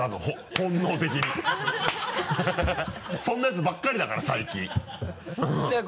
そんなヤツばっかりだから最近うん。